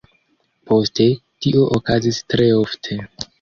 Poste, tio okazis tre ofte.